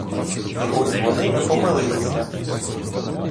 І ось вони не помилилися!